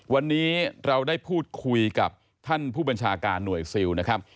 วันนี้เราได้พูดคุยกับท่านผู้บัญชาการหน่วยซิลนะครับ